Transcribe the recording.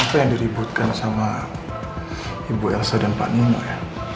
apa yang diributkan sama ibu elsa dan pak nima ya